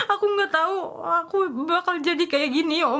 aku gak tau aku bakal jadi kayak gini